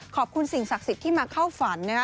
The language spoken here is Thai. ขอบคุณสิ่งศักดิ์สิทธิ์ที่มาเข้าฝันนะฮะ